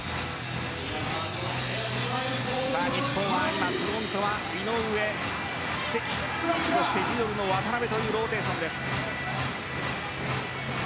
日本は、今フロントは井上、関そしてミドルの渡邊というローテーションです。